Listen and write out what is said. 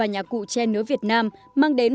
hẹn gặp lại